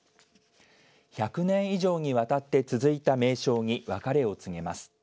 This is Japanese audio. １００年以上にわたって続いた名称に別れを告げます。